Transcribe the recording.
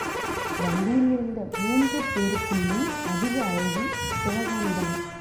வண்டியில் இருந்த மூன்று பேருக்குள்ளும் அதிக அழகி சிவகாமிதான்.